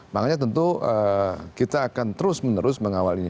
makanya tentu kita akan terus menerus mengawal ini